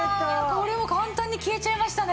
これは簡単に消えちゃいましたね！